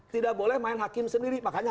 tidak boleh main hakim sendiri makanya